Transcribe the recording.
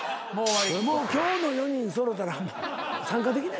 もう今日の４人揃うたら参加できないと思うねん。